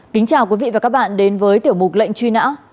kính chào quý vị và các bạn đến với tiểu mục lệnh truy nã